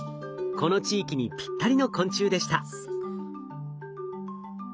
この地域にぴったりの昆虫でした。